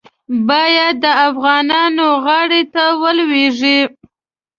باید د افغانانو غاړې ته ولوېږي.